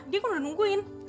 dia kan udah nungguin